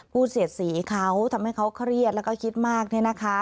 เสียดสีเขาทำให้เขาเครียดแล้วก็คิดมาก